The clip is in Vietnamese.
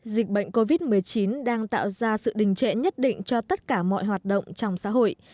dịch bệnh covid một mươi chín đang tạo ra sự đình trệ nhất định cho tất cả mọi hoạt động trong xã hội